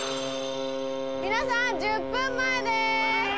皆さん１０分前です。